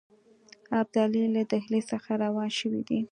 ابدالي له ډهلي څخه روان شوی دی.